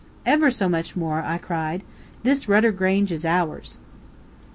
"Ever so much more," I cried. "This Rudder Grange is ours!"